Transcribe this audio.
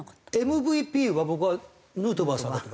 ＭＶＰは僕はヌートバーさんだと。